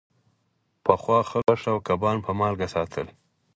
پخوا خلکو غوښه او کبان په مالګه ساتل.